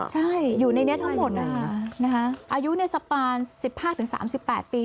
ใช่อยู่ในนี้ทั้งหมดนะคะอายุในสปาน๑๕๓๘ปี